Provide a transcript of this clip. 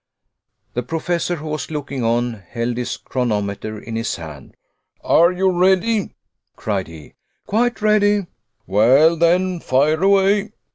The Professor, who was looking on, held his chronometer in his hand. "Are you ready?" cried he. "Quite ready." "Well, then, fire away!"